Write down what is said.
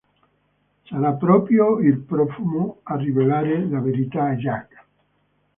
Sarà proprio il profumo a rivelare la verità a Jack.